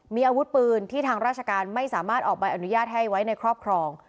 มีอาวุธปืนที่ทางราชการไม่สามารถออกใบอนุญาตให้ไว้ในครอบครอง